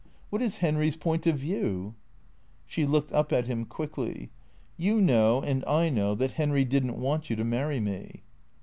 " What is Henry's point of view ?" She looked up at him quickly. " You know, and I know that Henry did n't want you to marry me."